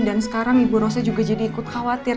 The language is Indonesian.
dan sekarang ibu rose juga jadi ikut khawatir